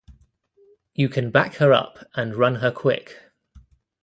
You can back her up and run her quick.